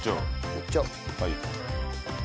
いっちゃおう。